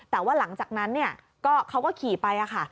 แต่ว่าหลังจากนั้นเขาก็ขี่ไปค่ะ